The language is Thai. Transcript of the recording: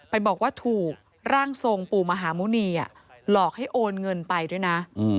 บอกว่าถูกร่างทรงปู่มหาหมุณีหลอกให้โอนเงินไปด้วยนะ